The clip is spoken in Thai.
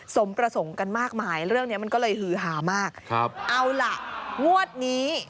สมประสงค์กันมากมายเรื่องเนี้ยมันก็เลยหือหามากครับเอาล่ะงวดนี้